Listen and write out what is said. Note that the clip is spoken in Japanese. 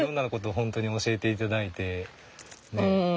本当に教えて頂いてねえ